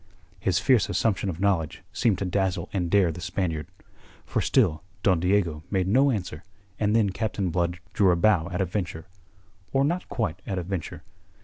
His fierce assumption of knowledge seemed to dazzle and daze the Spaniard. For still Don Diego made no answer. And then Captain Blood drew a bow at a venture or not quite at a venture.